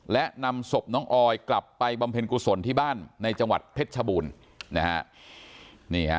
และนำศพน้องออยกลับไปบำเพ็ญกุศลที่บ้านในจังหวัดเพชรชบูรณ์นะฮะ